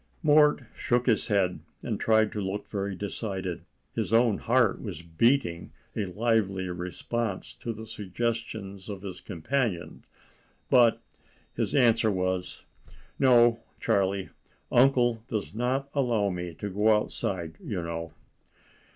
Mort shook his head, and tried to look very decided. His own heart was beating a lively response to the suggestions of his companions, but his answer was,— "No, Charlie; uncle does not allow me to go outside, you know."